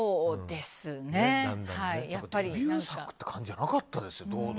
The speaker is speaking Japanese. デビュー作って感じじゃなかったですよ。